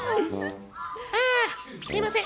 あー、すみません。